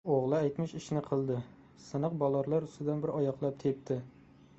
O‘g‘li aytmish ishni qildi: siniq bolorlar ustidan bir oyoqlab tepdi.